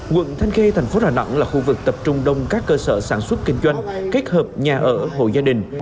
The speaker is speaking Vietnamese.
quận thanh khê thành phố đà nẵng là khu vực tập trung đông các cơ sở sản xuất kinh doanh kết hợp nhà ở hộ gia đình